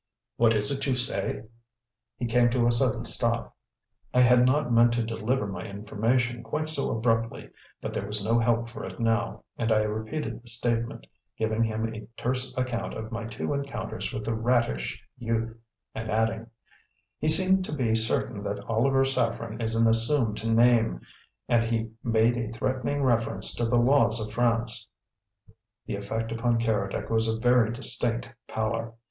"What is it you say?" He came to a sudden stop. I had not meant to deliver my information quite so abruptly, but there was no help for it now, and I repeated the statement, giving him a terse account of my two encounters with the rattish youth, and adding: "He seemed to be certain that 'Oliver Saffren' is an assumed name, and he made a threatening reference to the laws of France." The effect upon Keredec was a very distinct pallor.